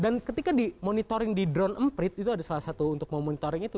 dan ketika di monitoring di drone emprit itu ada salah satu untuk memonitoring itu